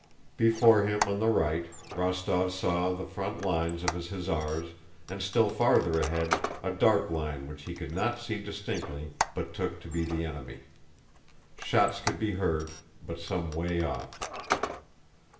Before him, on the right, Rostóv saw the front lines of his hussars and still farther ahead a dark line which he could not see distinctly but took to be the enemy. Shots could be heard, but some way off.